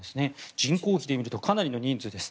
人口比で見るとかなりの人数です。